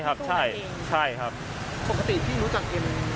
เขาติดเว็บส์ทะนาน